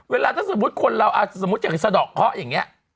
เวลาถ้าสมมุติคนเราสมมุติอย่างสะดอกเคาะอย่างนี้